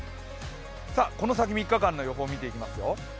この先３日間の予報を見ていきますよ。